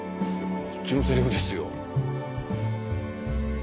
こっちのセリフですよ。